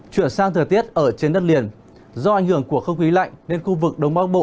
chuyển sang thời tiết ở trên đất liền do ảnh hưởng của không khí lạnh nên khu vực đông bắc bộ